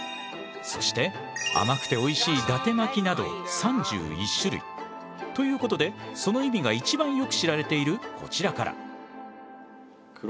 そして甘くておいしいだて巻きなど３１種類。ということでその意味が一番よく知られているこちらから。